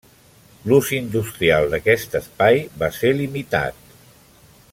L'ús industrial d'aquest espai va ser limitat.